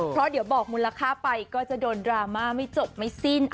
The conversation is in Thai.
เพราะเดี๋ยวบอกมูลค่าไปก็จะโดนดราม่าไม่จบไม่สิ้น